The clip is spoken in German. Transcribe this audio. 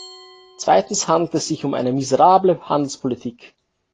Zweitens handelt es sich um eine miserable Handelspolitik.